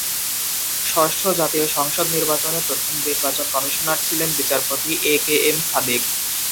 ষষ্ঠ জাতীয় সংসদ নির্বাচনে প্রধান নির্বাচন কমিশনার ছিলেন বিচারপতি এ কে এম সাদেক।